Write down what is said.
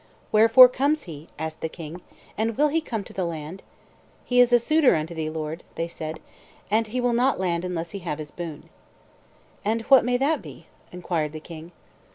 "Wherefore comes he?" asked the king, "and will he come to the land?" "He is a suitor unto thee, lord," said they, "and he will not land unless he have his boon." "And what may that be?" inquired the king.